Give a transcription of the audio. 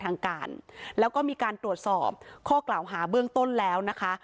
ทางการแล้วก็มีการตรวจสอบข้อกล่าวหาเบื้องต้นแล้วนะคะ